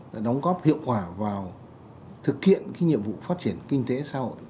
đã đóng góp hiệu quả vào thực hiện nhiệm vụ phát triển kinh tế xã hội